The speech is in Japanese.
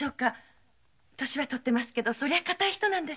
年はとってますけどそれは堅い人なんです。